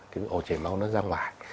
cái ổ chảy máu nó ra ngoài